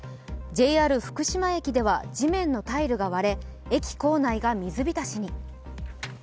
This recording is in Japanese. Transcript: ＪＲ福島駅では地面のタイルが割れ、駅構内が水浸しに。